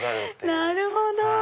なるほど！